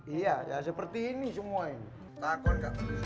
iya seperti ini semua ini